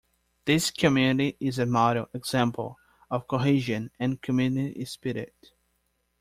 This community is a model example of cohesion and community spirit.